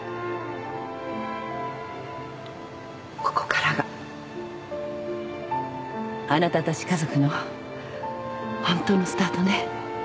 ここからがあなたたち家族のホントのスタートね。